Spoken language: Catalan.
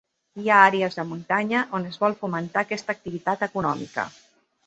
Hi ha àrees de muntanya on es vol fomentar aquesta activitat econòmica.